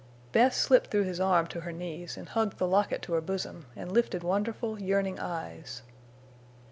Bess slipped through his arm to her knees and hugged the locket to her bosom, and lifted wonderful, yearning eyes.